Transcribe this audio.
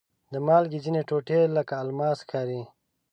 د مالګې ځینې ټوټې لکه الماس ښکاري.